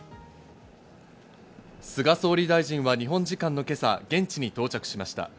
菅総理大臣は日本時間の今朝、現地に到着しました。